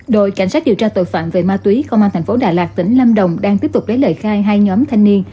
đội cảnh sát điều tra tội phạm về ma túy công an thành phố đà lạt tỉnh lâm đồng đang tiếp tục lấy lời khai hai nhóm thanh niên